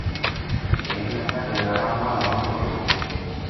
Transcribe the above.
Ereinotzak edo erramuak lagunduko digu.